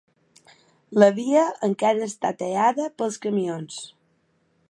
La via encara està tallada pels camions.